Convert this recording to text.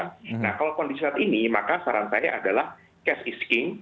nah kalau kondisi saat ini maka saran saya adalah cash is king